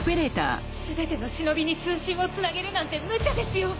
すべての忍に通信をつなげるなんて無茶ですよ！